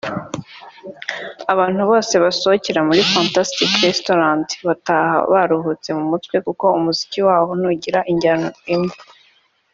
Abantu bose basohokera muri Fantastic Restaurant bataha baruhutse mu mutwe kuko umuziki waho ntugira injyana imwe